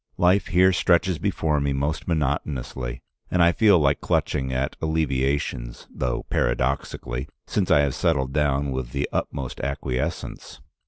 Life here stretches before me most monotonously, and I feel like clutching at alleviations, though paradoxically, since I have settled down with the utmost acquiescence.